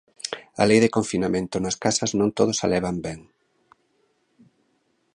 A lei de confinamento nas casas non todos a levan ben.